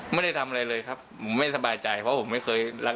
อ๋อไม่ได้ใช้เลยเลยเก็บไปไม่เจ็บต่อใช่ครับใช่ครับ